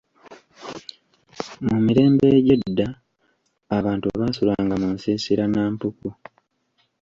Mu mirembe egy'edda, abantu baasulanga mu nsiisira na mpuku.